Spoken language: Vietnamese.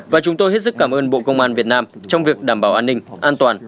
và chúng tôi hết sức cảm ơn bộ công an việt nam trong việc đảm bảo an ninh an toàn